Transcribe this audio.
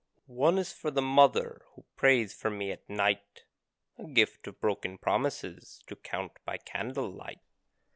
"_ One is for the mother who prays for me at night A gift of broken promises to count by candle light.